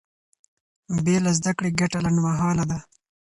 بې له زده کړې ګټه لنډمهاله ده.